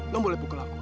non boleh pukul aku